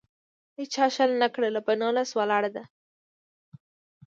هیچا شل نه کړله. په نولس ولاړه ده.